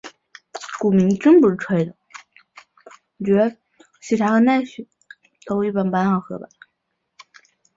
角色由系列主设计师之一的猪股睦美设计。